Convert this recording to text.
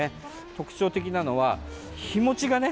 特徴的なのは日持ちがね